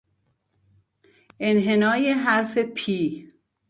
انحنای حرف P